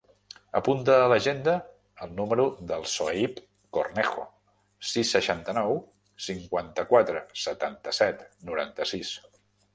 Apunta a l'agenda el número del Sohaib Cornejo: sis, seixanta-nou, cinquanta-quatre, setanta-set, noranta-sis.